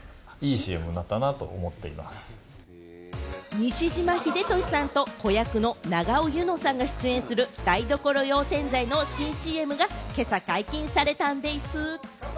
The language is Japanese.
西島秀俊さんと子役の永尾柚乃さんが出演する台所用洗剤の新ＣＭが今朝、解禁されたんでぃす。